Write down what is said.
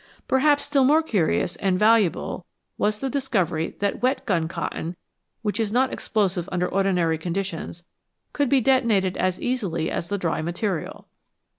Perhaps still more curious and valuable was the dis covery that wet gun cotton, which is not explosive under ordinary conditions, could be detonated as easily as the dry material.